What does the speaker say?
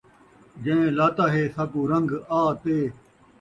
جیں لاتا ہے، ساکوں رنگ آ، تے